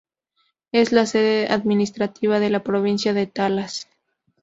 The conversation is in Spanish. Es la sede administrativa de la provincia de Talas.